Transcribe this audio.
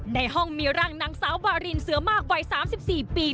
ในห้องมีร่างนางสาววารินเสือมากวัย๓๔ปี